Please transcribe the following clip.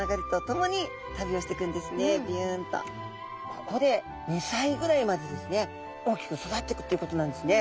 ここで２歳ぐらいまでですね大きく育っていくということなんですね。